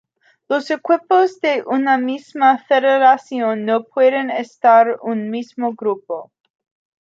Los equipos de una misma federación no pueden estar en un mismo grupo.